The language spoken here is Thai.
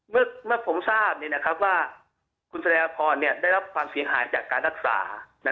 เมื่อผมทราบว่าคุณแสดงพรได้รับความเสียหายจากการรักษา